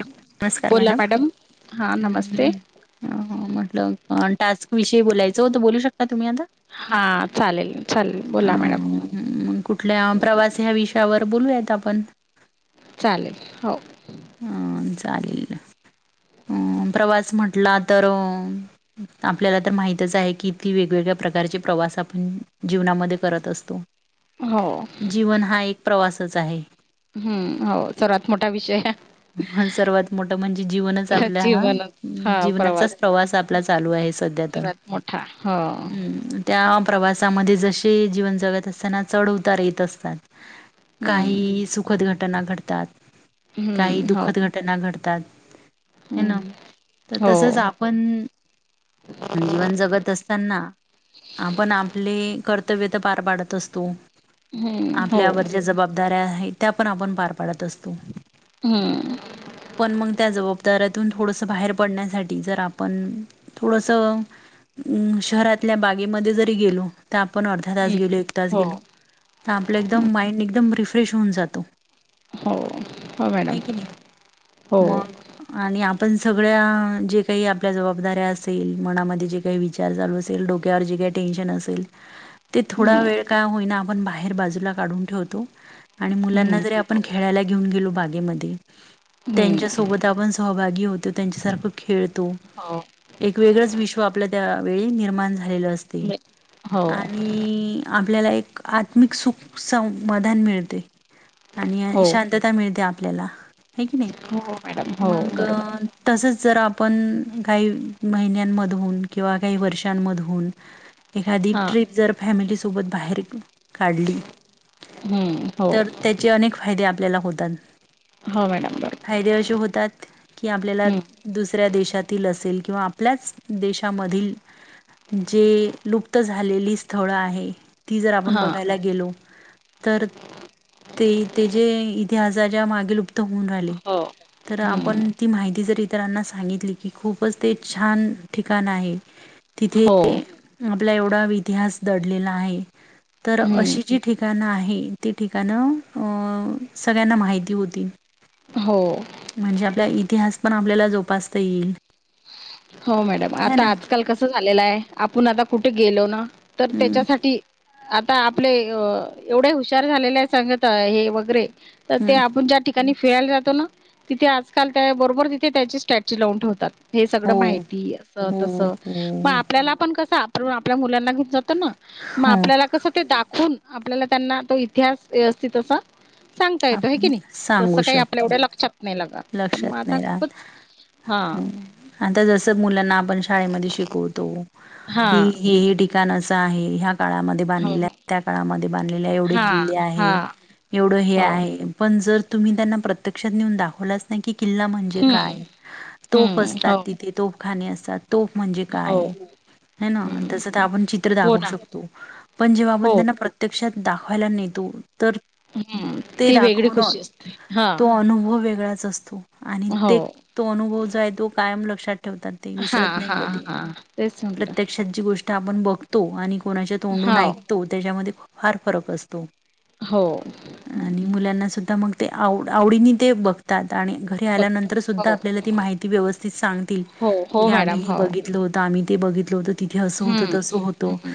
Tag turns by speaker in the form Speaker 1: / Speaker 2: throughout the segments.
Speaker 1: नमस्कार मॅडम
Speaker 2: हां नमस्ते
Speaker 1: म्हटले टास्क विषयी बोलायचं होत बोलू शकता तुम्ही आता
Speaker 2: हा चालेल चालेल बोला मॅडम
Speaker 1: त्यांवर बोलूया आपण
Speaker 2: चालेल हो
Speaker 1: अ चालेल ह प्रवास म्हटला तर आपल्याला तर माहितच आहे कीती वेगवेगळ्या प्रकारचे प्रवास आपण जीवनामध्ये करत असतो
Speaker 2: हो
Speaker 1: जीवन हा एक प्रवासच आहे
Speaker 2: हम्म हो सर्वात मोठा विषय
Speaker 1: सर्वात मोठ म्हणजे जीवनच आपल्या हा
Speaker 2: जीवनच हा
Speaker 1: जीवनाचाच प्रवास आपला चालू आहे सध्या तर
Speaker 2: सर्वात मोठा हो
Speaker 1: हम्म त्या प्रवासामध्ये जसे जीवन जगत असताना चढ उतार येत असतात
Speaker 2: हम्म
Speaker 1: काही सुखद घटना घडतात काही
Speaker 2: हम्म हो
Speaker 1: दुखद घटना घडतात ह ना
Speaker 2: हम्म
Speaker 1: तर
Speaker 2: हो
Speaker 1: तसच आपण जीवन जगत असताना आपण आपले कर्तव्य पार पाडत असतो
Speaker 2: हम्म हो
Speaker 1: आपल्यावर ज्या जबाबदाऱ्या आहेत त्या पण आपण पार पाडत असतो
Speaker 2: हम्म
Speaker 1: पण मग त्या ज दऱतून थोडस बाहेर पडण्यासाठी जर आपण थोडस अम शहरातल्या बागेमध्ये जरी गेलो तर आपण अर्धा तास
Speaker 2: हम्म
Speaker 1: गेलो एक तास
Speaker 2: हो
Speaker 1: गेलो तर आपलं एकदम माइंड एकदम रिफ्रेश होऊन जातो
Speaker 2: हो हो मॅडम
Speaker 1: आहे की नाही
Speaker 2: हो
Speaker 1: मग आणि आप पण सगळ्या जे काही आपल्या जबाबदाऱ्या असेल मनामध्ये जे काही विचार चालू असेल डोक्यावर जे ेशे
Speaker 2: हम्म
Speaker 1: थोडा वेळ काय होई आपण बाहेर बाजूला काढून ठेवतो आणि
Speaker 2: हम्म
Speaker 1: मुलांना जरी
Speaker 2: हो
Speaker 1: आपण खेळायला घेऊन गेलो बाग त्यांच्या
Speaker 2: हम्म
Speaker 1: सोबत आपण सहभागी होतो त्यांच्या सारख खेळतो
Speaker 2: हो
Speaker 1: एक वेगळंच विश्व आपल्या त्या वेळी निर्माण झालेलं असते
Speaker 2: मी- हो
Speaker 1: आणि आपल्याला एक आत्मिक सुख समाधान मिळते आणि
Speaker 2: हो
Speaker 1: शांतता मिळते आपल्याला हे की नाही
Speaker 2: हो मॅडम हो
Speaker 1: मग
Speaker 2: बरोबर
Speaker 1: तसच जर आपण काही महिन्यांमधून किंवा काही वर्षांमधून एखादी
Speaker 2: हां
Speaker 1: ट्रिप जर फॅमिलीसोबत बाहेर काढली
Speaker 2: हम्म हो
Speaker 1: तर त्याचे अनेक फायदे आपल्याला होतात
Speaker 2: हो मॅडम बरोबर.
Speaker 1: फायदे असे होतात की आपल्याला
Speaker 2: हं.
Speaker 1: दुसऱ्या देश अस किंवा आपल्याच देशामध जे लुप्त झालेली स्थळ आहे ती जर आपण
Speaker 2: हां.
Speaker 1: बघायला गेलो तर ते ते ज इतिहासाच्या मागील
Speaker 2: हो.
Speaker 1: आप
Speaker 2: हं.
Speaker 1: मा तरांना सांगितली की खूपच ते छान ठिकाण आहे तिथे
Speaker 2: हो
Speaker 1: आपला एवढा इतिहास दडलेला आहे तर
Speaker 2: हं.
Speaker 1: अशी जी ठिकाणं आहे ती ठिकाणं अ सगळ्यांना माहिती होती तीन
Speaker 2: हो
Speaker 1: म्हणजे आपला इतिहास पण आपल्याला जोपासता येईल
Speaker 2: हो मॅडम
Speaker 1: है
Speaker 2: आता
Speaker 1: ना.
Speaker 2: आजकाल कसं झालेलं आहे आपण आता कुठे गेलो ना तर
Speaker 1: हम्म
Speaker 2: त्याच्यासाठी आता आपले अ एवढे हुशार झालेले आहे सांगत हे वगैरे तर ते
Speaker 1: हम्म
Speaker 2: आपण ज्या ठिकाणी फिरायला जातो ना तिथे आजकाल त्या बरोबर तिथे त्याची स्ट्रॅ लावून ठेवतात हे सगळं
Speaker 1: हो
Speaker 2: माहि अस तस
Speaker 1: हो हो
Speaker 2: मग आपल्याला पण कस आपल्या मुलांना जात ना मग
Speaker 1: हो
Speaker 2: आपल्याला कस ते दाखवून आपल्याला त्यांना तो इतिहास असत तसा सांगता येतो आहे
Speaker 1: आपण
Speaker 2: की नाही
Speaker 1: सांगू
Speaker 2: तसं काही आपल्या
Speaker 1: शकतो
Speaker 2: एवढ्या लक्षात नाही पण मग
Speaker 1: लक्षात
Speaker 2: आता
Speaker 1: नाही राहत.
Speaker 2: खूपच हा
Speaker 1: आप श शतो
Speaker 2: हा
Speaker 1: क ठिकण काळामध्ये
Speaker 2: हो
Speaker 1: बांधलेल्या त्या काळामध्ये बांधले एवढे
Speaker 2: हां
Speaker 1: किल्ले आहे
Speaker 2: हां
Speaker 1: एवढं हे आहे पण जर तुम्ही त्यांना प्रत्यक्षात नेऊन दाखवलाच नाही की किल्ला म्हणजे
Speaker 2: हम्म.
Speaker 1: काय तोफ
Speaker 2: हम्म
Speaker 1: असतात
Speaker 2: हो
Speaker 1: तिथे तोफखाने असतात तोफ म्हणजे
Speaker 2: हो.
Speaker 1: काय ह ना
Speaker 2: हम्म.
Speaker 1: त्यास आपण चित्र
Speaker 2: हो
Speaker 1: दाखवू
Speaker 2: ना
Speaker 1: शकतो पण जेव्हा
Speaker 2: हो
Speaker 1: आपण त्यांना प्रत्यक्षात दाखवायला नेतो तर
Speaker 2: हम्म
Speaker 1: ते
Speaker 2: ती वेगळी
Speaker 1: दाखवून
Speaker 2: खुशी असते हां.
Speaker 1: तो अनुभव वेगळा आणि
Speaker 2: हो
Speaker 1: ते तो अनुभव जो आहे तो कायम लक्षात ठेवतात
Speaker 2: हां
Speaker 1: विसरत नाही
Speaker 2: हां
Speaker 1: कधी
Speaker 2: हां तेच म्हटलं
Speaker 1: प्रत्यक्षात जी गोष्ट ण बघतो आणि कोणाच्या तोंडून
Speaker 2: हो
Speaker 1: ऐकतो त्याच्यामध्ये फार फरक असतो
Speaker 2: हो
Speaker 1: आणि मुलांना सुद्धा मग ते आव आवडीने ते बघतात आणि घरी
Speaker 2: बघ.
Speaker 1: आल्यानंतर सुद्धा
Speaker 2: हो
Speaker 1: आपल्याला ती माहिती व्यवस्थित सांगतील
Speaker 2: हो हो
Speaker 1: की आम्ही
Speaker 2: मॅडम
Speaker 1: हे
Speaker 2: हो
Speaker 1: बघितलं होतं आम्ही ते बघितलं होत तिथे असं होतं
Speaker 2: हम्म
Speaker 1: तसं होतं
Speaker 2: हम्म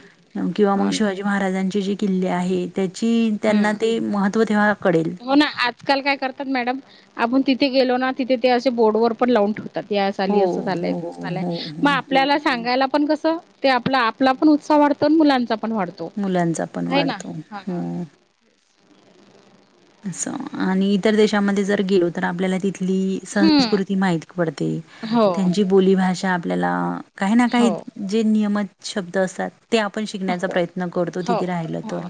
Speaker 1: किंवा म
Speaker 2: हो ना.
Speaker 1: शिवाजी महाराजांची जे किल्ले आहे त्याची त्यांना
Speaker 2: हम्म
Speaker 1: ते महत्त्व तेव्हा कळेल
Speaker 2: हो ना आजकाल काय करतात मॅडम आपण तिथे गेलो ना तिथे ते असे बोर्डवरर पण लावून ठेक ली
Speaker 1: हो
Speaker 2: असं झायय
Speaker 1: हो हो हो
Speaker 2: मग
Speaker 1: हो.
Speaker 2: आपल्याला सांगायला ण कस ते आपला आपला पण उत्साह वाढतो मुलांचा [inaudible]
Speaker 1: मुलांचा पण वाढतो हो आणि इतर देशामध्ये जर गेलो तर आपल्याला तिथ आपली
Speaker 2: हं
Speaker 1: संस्कृती माहीित पडते
Speaker 2: हो
Speaker 1: त्यांची बोलीभाषा आपल्याला काही ना काही
Speaker 2: हो
Speaker 1: जे नियमित शब्द असात ते आपण शिकण्याचा
Speaker 2: हो
Speaker 1: प्रयत्न करतो
Speaker 2: हो
Speaker 1: तथी राहिल
Speaker 2: हो
Speaker 1: तर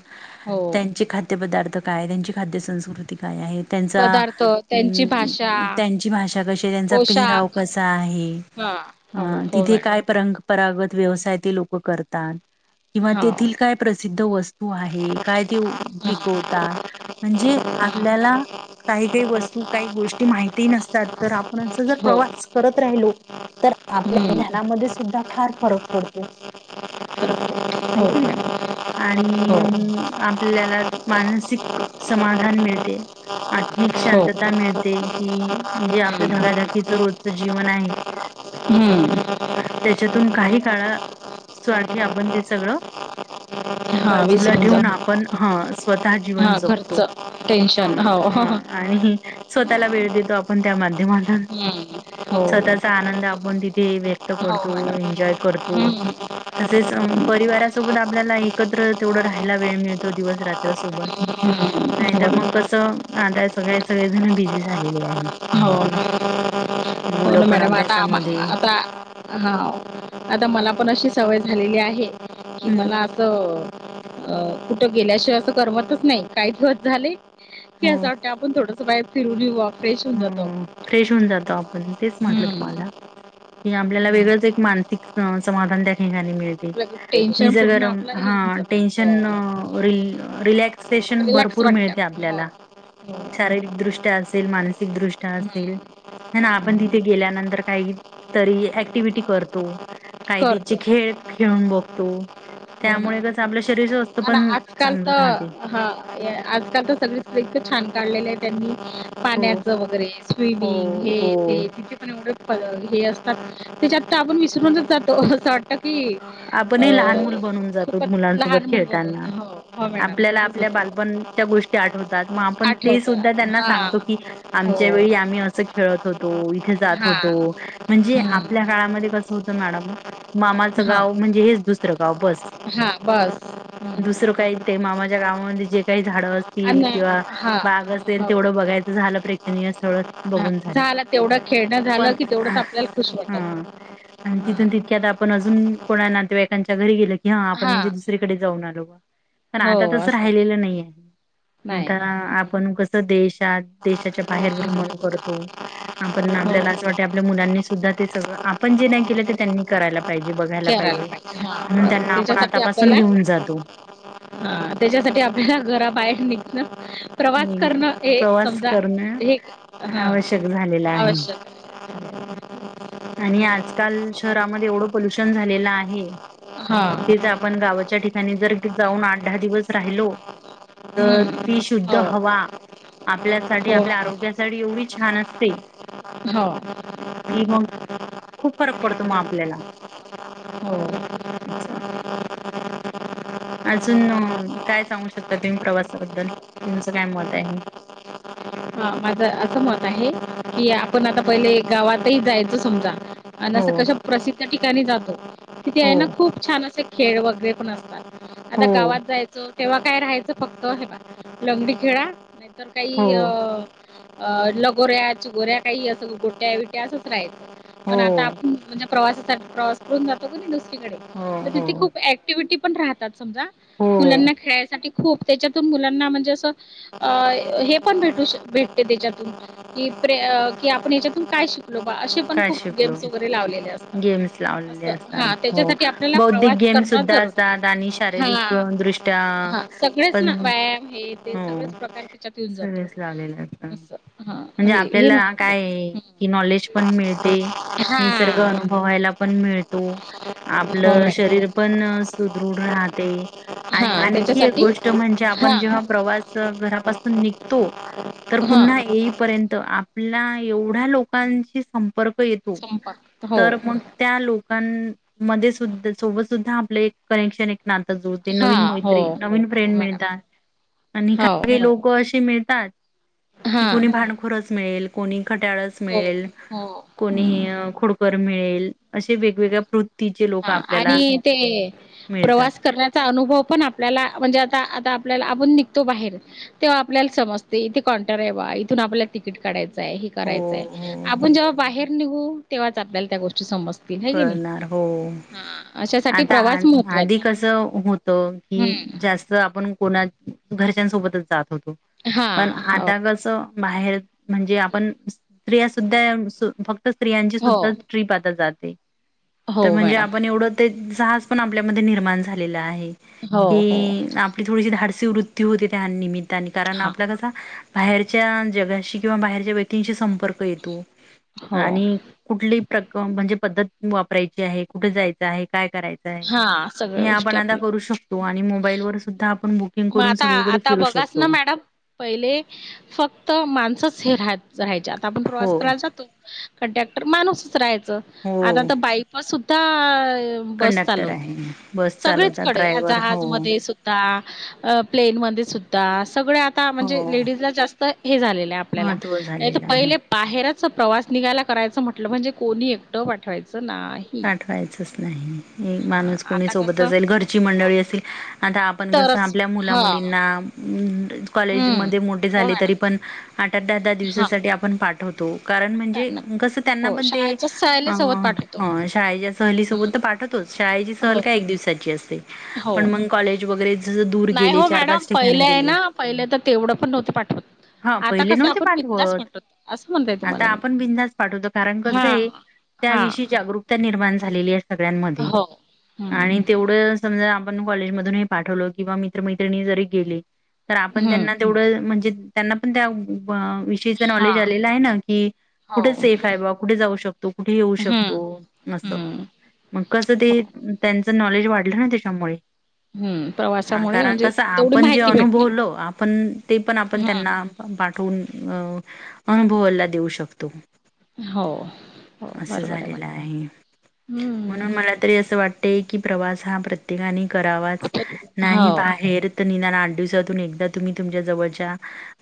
Speaker 2: हो
Speaker 1: त्यांचे खाद्य पदार्थ काय त्यांची खाद्य संस्कृतीिक काय आहे त्यांचा
Speaker 2: पदार्थ त्यांची भाषा
Speaker 1: त्यांची भाषा कशी आहे त्यांचा पेहराव
Speaker 2: पोशाख
Speaker 1: कसा आहे
Speaker 2: हां हो
Speaker 1: अ
Speaker 2: हो
Speaker 1: तिथे काय
Speaker 2: मॅडम
Speaker 1: परंग पराग व्यवसाय ते लोक करतात किंवा
Speaker 2: हो
Speaker 1: तेथील काय प्रसिद्ध वस्त तू आहे काय ते
Speaker 2: हां
Speaker 1: पिकवतात म्हणजे आपल्याला काही काही वस्तू काही गोष्टी माहितीही नसतात तर आपण अस जर
Speaker 2: हो
Speaker 1: प्रवास करत राहिलो तर आपल्या
Speaker 2: हं
Speaker 1: ज्ञानामध्ये सुद्धा फार फरक पडतो आहे
Speaker 2: हो
Speaker 1: की नाही
Speaker 2: मॅडम हो
Speaker 1: आणि आपल्याला मानसिक समाधान मिळते आत्मिक
Speaker 2: हो
Speaker 1: शांतता मिळते की जे आपलं धगधकीच रोजच जीवन आहे
Speaker 2: हम्म
Speaker 1: त्याच्यातून काही काळासाठी आपंद सगळं
Speaker 2: हां
Speaker 1: बाजूला
Speaker 2: विसरून
Speaker 1: ठेवून
Speaker 2: जातो
Speaker 1: आपण ह स्वतः जीवन
Speaker 2: हां घरचं टेन्शन हो हो
Speaker 1: आणि स्वतःला वेळ देतो आपण त्या मा
Speaker 2: हम्म
Speaker 1: स्वतःचा आनंद आपण तिथे व्यक्त
Speaker 2: हो
Speaker 1: करतो
Speaker 2: मॅडम
Speaker 1: एन्जॉय करतो
Speaker 2: हं हं
Speaker 1: तसेच परिवारासोबत आपल्याला एकत्र तेवढं राहायला वेळ मिळत तो दिवस रात्र सोबत नाहीतर
Speaker 2: हो
Speaker 1: मग कसं आता सगळे सगळे जण बिझी झालेले आहे
Speaker 2: ना हो ना हो
Speaker 1: मुलं
Speaker 2: ना
Speaker 1: पण
Speaker 2: मॅडम आता आम
Speaker 1: अभ्यासामध्ये
Speaker 2: आता हां आता मला पण अशी सवय झालेली आहे कि
Speaker 1: हम्म
Speaker 2: मला असं अ कुठं गेल्याशिवाय असं करमतच नाही काही दिवस झाले की
Speaker 1: हो
Speaker 2: असं वाटतं आपण थोड सयब फी रुली हु
Speaker 1: हो फ्रेश होऊन जातो आपण तेच म्हटलं
Speaker 2: हम्म
Speaker 1: तुम्हाला हे आपल्याला
Speaker 2: हम्म.
Speaker 1: वेगळंच एक मानसिक समाधान द्या ठ
Speaker 2: आपलं
Speaker 1: [inaudible]
Speaker 2: टेन्शन पूर्ण
Speaker 1: भर
Speaker 2: आपलं हे होऊन
Speaker 1: आप
Speaker 2: जातं हो
Speaker 1: शृ
Speaker 2: रिलॅक्स वाटतं हो हो
Speaker 1: मा ृष्ट असेल
Speaker 2: हम्म
Speaker 1: आपण तिथे गेल्यानंतर काही तरी ऍक्टिव्हटी करतो कायदे
Speaker 2: करतो
Speaker 1: खेळ खेळून बघतो
Speaker 2: हो ना
Speaker 1: त्यामुळे आपलं शरीर स्स्
Speaker 2: आणि आजकाल तर हा आजकाल तर सगळेत छान काढलेले आहे त्यांनी
Speaker 1: हो
Speaker 2: पाण्याचं वगैरे स्विमिंग
Speaker 1: हो
Speaker 2: हे
Speaker 1: हो.
Speaker 2: ते तिथे पण एवढं हे असतात त्याच्या आतता आपण विसरूनच जातो की
Speaker 1: आपण
Speaker 2: अ,
Speaker 1: हे लहान मुल बनून जातो
Speaker 2: खूपच लहान
Speaker 1: मुलांसोबत
Speaker 2: मूल
Speaker 1: खेळताना
Speaker 2: बनून हो, हो मॅडम
Speaker 1: आपल्याला
Speaker 2: तसंच
Speaker 1: आपल्या
Speaker 2: होतं.
Speaker 1: बालपणच्या गोष्टी आठवतात मग आपण ते सुद्धा
Speaker 2: आठवतं.
Speaker 1: त्यांना
Speaker 2: हां,
Speaker 1: सांगतो की
Speaker 2: हो,
Speaker 1: आमच्या वेळी आम्ही अस खेळत होतो इथे जात होतो
Speaker 2: हां,
Speaker 1: म्हणजे आपल्या
Speaker 2: हं,
Speaker 1: काळामध्ये कस होत मॅडम मामाच
Speaker 2: हां,
Speaker 1: गाव म्हणजे हेच दुसरं गाव बस
Speaker 2: हां, बस. हं.
Speaker 1: दुसरं काही ते मामाच्या गावामध्ये जे काही झाडं अस
Speaker 2: आणि
Speaker 1: किंवा
Speaker 2: हां,
Speaker 1: बाग
Speaker 2: हो,
Speaker 1: असेल तेवढं बघायच झालं प्रेक्षणीय स्थळ
Speaker 2: हां.
Speaker 1: बघून झाले
Speaker 2: झालं तेवढं खेळणं झालं
Speaker 1: पण
Speaker 2: की तेवढंच
Speaker 1: हा
Speaker 2: आपल्याला खुश वाटायचं.
Speaker 1: आणि
Speaker 2: हां.
Speaker 1: तिथून तितक्या आता आपण अजून कोणा नातेवाईकांच्या घरी गेलं की हा आपण म्हणजे दुसरीकडे जाऊन आलो बा पण
Speaker 2: हो
Speaker 1: आता तसं
Speaker 2: असं
Speaker 1: राहिलेलं नाही आहे
Speaker 2: नाही
Speaker 1: आता आपण कसं देशात देशाच्या बाहेर भ्रमण करतो आपण
Speaker 2: हो
Speaker 1: आपल्याला असं वाटत आपल्या मुलांनी सुद्धा ते सगळं आपण जे नाही केलं ते त्यांनी करायला पाहिजे बघा
Speaker 2: करायला पाहिजे हा त्याच्यासाठी
Speaker 1: आतापासून
Speaker 2: आपल्याला
Speaker 1: घेऊन जातो
Speaker 2: हा त्याच्यासाठी आपल्याला घरा बाहेर निघ प्रवास
Speaker 1: हम्म,
Speaker 2: करणं हे
Speaker 1: प्रवास
Speaker 2: समजा
Speaker 1: करणं
Speaker 2: हे हा
Speaker 1: आवश्यक झालेला आहे
Speaker 2: आवश्यक ह
Speaker 1: आणि आजकाल शहरामध्ये एवढं पोल्युशन झालेलं आहे
Speaker 2: हा
Speaker 1: तेच आपण गावाच्या ठिकाणी जर जाऊन आठ दहा दिवस राहिलो तर
Speaker 2: हम्म
Speaker 1: ती शुद्ध
Speaker 2: हो
Speaker 1: हवा आपल्यासाठी
Speaker 2: हो
Speaker 1: आपल्या आरोग्यासाठी एवढी छान असते
Speaker 2: हो
Speaker 1: की मग खूप फरक पडतो मग आपल्याला
Speaker 2: हो
Speaker 1: अच्छा अजून काय सांगू शकता तुम्ही प्रवासाबद्दल तुमचं काय मत आहे
Speaker 2: हां, माझं असं मत आहे की आपण आता पहिले गावातही जायचं समजा आणि
Speaker 1: हो
Speaker 2: असं कश प्रसिद्ध ठिकाणी जातो तिथे आहे
Speaker 1: हो
Speaker 2: ना खूप छान असे खेळ वगैरे पण असतात आता
Speaker 1: हो
Speaker 2: गावात जायचं तेव्हा काय राहायचं फक्त लंगडी खेळा तर
Speaker 1: हो
Speaker 2: काही अ अ लगोऱ्या चिगोऱ्या काही असं गोट्या विट्या असंच राहायचं
Speaker 1: हो
Speaker 2: पण आता आपण म्हणजे प्रवासासाठी प्रवास करून जातो का नाहीस तिकडे
Speaker 1: हो
Speaker 2: तर
Speaker 1: हो
Speaker 2: तिथली खूप अँक्टिव्हिटी पण राहतात समजा
Speaker 1: हो
Speaker 2: मुलांना खेळासाठी खूप खूप त्याच्यातून मुलांना म्हणजे असं अ हे पण भेटू श भेट त्याच्यातून कि कि आपण याच्यातून काय शिको शिकलो बा असे पण
Speaker 1: काय
Speaker 2: खूप
Speaker 1: शिकलो
Speaker 2: गेम्स वगैरे लावलेले असतात
Speaker 1: गेम्स
Speaker 2: अस
Speaker 1: लावलेले असतात
Speaker 2: हा
Speaker 1: हो
Speaker 2: त्याच्यासाठी आपल्याला
Speaker 1: बौद्धिक
Speaker 2: प्रवास
Speaker 1: गेम
Speaker 2: करण
Speaker 1: सुद्धा
Speaker 2: जरुरी
Speaker 1: असतात आणि शारीरिक
Speaker 2: आहे
Speaker 1: अ, दृष्ट्या
Speaker 2: ह सगळेच
Speaker 1: पण
Speaker 2: व्यायाम हे ते
Speaker 1: हो
Speaker 2: सगळच प्रकार त्याच्यात येऊन जातो
Speaker 1: सगळेच लावलेले असतात
Speaker 2: अस हा
Speaker 1: म्हणजे
Speaker 2: हे हे
Speaker 1: आपल्याला
Speaker 2: म्हणायचं
Speaker 1: काय
Speaker 2: आहे
Speaker 1: की नॉलेज
Speaker 2: हम्
Speaker 1: पण मिळते निसर्ग अनुभवायला पण मिळतो
Speaker 2: हो
Speaker 1: आपलं
Speaker 2: मॅडम
Speaker 1: शरीर पण पण सदृढ राहते आणि
Speaker 2: हा
Speaker 1: आणखी एक
Speaker 2: त्याच्यासाठी
Speaker 1: गोष्ट म्हणजे
Speaker 2: हा
Speaker 1: आपण जेव्हा प्रवास करतो निघतो तर
Speaker 2: हा
Speaker 1: पुन्हा येईपर्यंत आपल्या एवढ्या लोकांची र्क येतो
Speaker 2: हो
Speaker 1: तर मग त्या लोकांमध्ये सुद्धा सोबत सुद्धा आपलं एक कनेक्शन नाता जुळते
Speaker 2: हा
Speaker 1: नवीन
Speaker 2: हो
Speaker 1: मैत्री नवीन फ्रेंड मिळतात आणि
Speaker 2: हो
Speaker 1: काही काही लोक असे मिळतात मिळतात कि
Speaker 2: हा
Speaker 1: कोणी भांडखोरच मिळेल कोणी खट्याळच
Speaker 2: हो
Speaker 1: मिळेल
Speaker 2: हम्म
Speaker 1: कोणीही खोडकर मिळेल असे वेगवेगळ्या वृत्तीचे लोक
Speaker 2: हा
Speaker 1: आपल्याला
Speaker 2: आणि ते
Speaker 1: मिळतात.
Speaker 2: प्रवास करण्याचा अनुभव पण आपल्याला म्हणजे आता आपल्याला आपून निघतो बाहेर तेव्हा आपल्याला समजते तेे कॉनटर आहे इथून आपल्या तिकट काढायचं
Speaker 1: हो
Speaker 2: करायचंय
Speaker 1: हो हो
Speaker 2: आपण जेव्हा बाहेर निघू तेव्हाच आपल्याला त्या गोष्टी समजतात
Speaker 1: कळणार हो
Speaker 2: अशासाठी
Speaker 1: आता आ
Speaker 2: प्रवास
Speaker 1: आधी
Speaker 2: महत्त्वाचा
Speaker 1: कसं होत की
Speaker 2: हम्म
Speaker 1: जास्त आपण कोणा घरच्यांसोबतच जात होतो
Speaker 2: हा
Speaker 1: पण
Speaker 2: हो.
Speaker 1: आता कसं बाहेर म्हणजे आपण स्त्रिया सुद्धा सु फक्त स्त्रियांची
Speaker 2: हो
Speaker 1: सुद्धा ट्रीप आता जाते.
Speaker 2: हो
Speaker 1: तर म्हणजे
Speaker 2: मॅडम
Speaker 1: आपण एवढं ते जहाज पण आपल्यामध्ये निर्माण झालेलं आहे
Speaker 2: हो हो
Speaker 1: कि आपली थोडीशी धाडसी वृत्ती होते त्या निमित्ताने कारण
Speaker 2: हा
Speaker 1: आपला कसा बाहेरच्या जगाशी किंवा बाहेरच्या व्यक्तींशी संपर्क येतो.
Speaker 2: हो
Speaker 1: आणि कुठली प्रक म्हणजे पद्धत वापरायची आहे कुठे जायचं आहे, का कराय
Speaker 2: हा
Speaker 1: हें
Speaker 2: सगळ्या
Speaker 1: आपण
Speaker 2: गोष्टी
Speaker 1: आता
Speaker 2: आपल्या
Speaker 1: करू शकतो आणि मोबाईल व सुद्धा आपण बो
Speaker 2: मग आता आता बघस ना मॅडम पहिले फक्त माणसच हे राहात राहायचे आता आपण प्रवास
Speaker 1: हो
Speaker 2: करायला जातो कंडक्टर माणूसच राहायचं आता
Speaker 1: हो
Speaker 2: तर बायपासून तर [inaudible] बस
Speaker 1: कंडक्टर
Speaker 2: चालवते
Speaker 1: आहे बस चालवतात
Speaker 2: सगळेचकडे या
Speaker 1: ड्रायव्हर हो
Speaker 2: जहाजमध्ये सुद्धा प्लेनमध्येध्ये सुद्धा, सगळ आता
Speaker 1: हो
Speaker 2: म्हणजे लेडीज ला जास्त हे झालेलं आहे आपल्याला
Speaker 1: महत्त्व
Speaker 2: नाहीतर
Speaker 1: झालेलं आहे
Speaker 2: पहिले बाहेर च प्रवास निघायला करायचं म्हटलं म्हणजे कोणी एकटं पाठवायचं नाही
Speaker 1: ठवायचच नाही
Speaker 2: हा
Speaker 1: माणूस कोणी
Speaker 2: आता
Speaker 1: सोबत
Speaker 2: कसं
Speaker 1: असेल घरची मंडळी असेल आता आपण स
Speaker 2: तरच
Speaker 1: आपल्या मुला मुलींना कॉलेज म
Speaker 2: हम्म
Speaker 1: मोठे झाले तरी पण आठ दहा दहा दिवसासाठी आपण पाठवतो कारण म्हणजे कसं त्यांना
Speaker 2: हो
Speaker 1: पण ते
Speaker 2: शाळेच्या
Speaker 1: अ
Speaker 2: सहलीसोबत पाठवतो.
Speaker 1: सह सोबत पाठतो शाळेची सहल
Speaker 2: हो
Speaker 1: काय एक दिवसाची असते
Speaker 2: हो
Speaker 1: पण मग कॉलेज वगैरे दूर
Speaker 2: नाही
Speaker 1: गेले
Speaker 2: हो
Speaker 1: चार
Speaker 2: मॅडम
Speaker 1: पाच
Speaker 2: पहिलं
Speaker 1: ठिकाणी
Speaker 2: आहे
Speaker 1: गेले
Speaker 2: ना पहिलं तर तेवढं पण नव्हतं पाठवत
Speaker 1: हा
Speaker 2: आता
Speaker 1: पहिले
Speaker 2: कसं
Speaker 1: नव्हते
Speaker 2: आपण बिंदास
Speaker 1: पाठवत,
Speaker 2: पाठवतो असं म्हणताय
Speaker 1: आता
Speaker 2: तुम्हाला मी
Speaker 1: आपण बिंदास पाठवतो. कारण
Speaker 2: हा
Speaker 1: कसं आहे! त्या
Speaker 2: हा
Speaker 1: विषयी जागरूकता निर्माण झालेली आहे सगळ्यांमध्ये आणि
Speaker 2: हम्म
Speaker 1: तेवढं समजा कॉलेज मधून पाठवलं किंवा मित्रमैत्रिणी जरी गेली तर आपण
Speaker 2: हम्म
Speaker 1: त्यांना तेवढं म्हणजे त्यांना पण त्या विषयीच नॉलेज आलेलं आहे ना की कुठे
Speaker 2: हो
Speaker 1: सेफ आहे बा कुठे जाऊ शकतो कुठे येऊ
Speaker 2: हम्म
Speaker 1: शकतो असं
Speaker 2: हम्म
Speaker 1: मग कसं
Speaker 2: हो
Speaker 1: ते त्यांच नॉलेज वाढलं ना त्याच्यामुळे
Speaker 2: हम्म प्रवासामुळे
Speaker 1: कारण
Speaker 2: म्हणजे
Speaker 1: कस
Speaker 2: तेवढी
Speaker 1: आपण जे
Speaker 2: माहिती भेटते.
Speaker 1: अनुभवलो आपण ते पण आपण त्यांना पाठवून अ अनुभवाला देऊ शकतो
Speaker 2: हो हो
Speaker 1: असं
Speaker 2: बरोबर
Speaker 1: झालेलं
Speaker 2: मॅडम
Speaker 1: आहे,
Speaker 2: हम्म
Speaker 1: म्हणून मला तरी असं वाटत की प्रवास हा प्रत्येका करावाच
Speaker 2: खूपच हो
Speaker 1: नाही बाहेर तर निदान आठ दिवसातून एकदा तुम्ही तुमच्या जवळच्या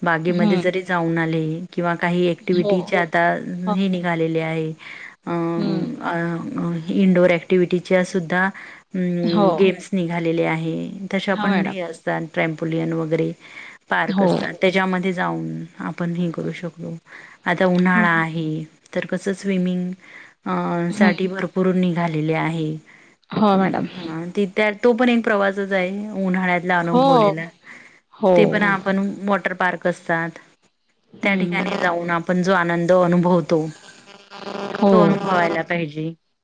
Speaker 1: बागेमध्ये
Speaker 2: हम्म
Speaker 1: जरी जाऊन आले किंवा काही ऍक्टिव्हटीचे आता हे निघालेले आहे अ
Speaker 2: हम्म
Speaker 1: इंडोअर ऍक्टिवटीच्या सुद्धा
Speaker 2: हो
Speaker 1: गेम्स निघाल्या निघालेल्या आहे
Speaker 2: हो
Speaker 1: तशापण
Speaker 2: मॅडम
Speaker 1: रियशदा त्रंपोलीयन वैगेरे
Speaker 2: हो
Speaker 1: कसत त्याच्यामध्ये जाऊन आपण हे करू शकलो आता उन्हाळा आहे तर कसं स्विमिंग अ
Speaker 2: हम्म
Speaker 1: साठी भरपूरून निघालेले आहे
Speaker 2: हो मॅडम
Speaker 1: ह् हा त त्या तो पण एक प्रवासच आहे उन्हाळ्यातला
Speaker 2: हो
Speaker 1: अनुभवलेलं
Speaker 2: हो
Speaker 1: ते पण वॉटर पार्क असतात त्या
Speaker 2: हम्म
Speaker 1: ठिकाणी जाऊन आपण जो आनंद अनुभवतो, तो
Speaker 2: हो.
Speaker 1: अनुभवायला पाहिजे.